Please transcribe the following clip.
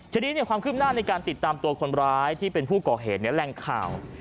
ทีนี้ความคืบหน้าในการติดตามตัวคนร้ายที่เป็นผู้ก่อเหตุแรงข่าว